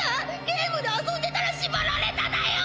ゲームで遊んでたらしばられただよ！」。